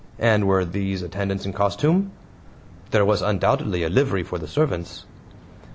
"And were these attendants in costume?" "There was undoubtedly a livery for the servants."